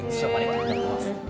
になってます。